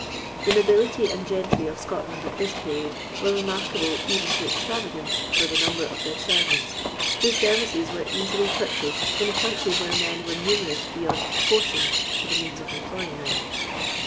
The nobility and gentry of Scotland, at this period, were remarkable even to extravagance for the number of their servants, whose services were easily purchased in a country where men were numerous beyond proportion to the means of employing them.